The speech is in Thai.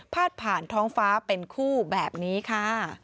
ผ่านท้องฟ้าเป็นคู่แบบนี้ค่ะ